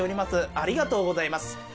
ありがとうございます。